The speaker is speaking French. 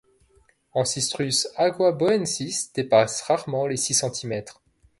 Ancistrus aguaboensis dépasse rarement les six centimètres.